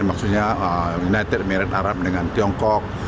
maksudnya united arab emirates dengan tiongkok